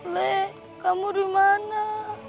le kamu dimana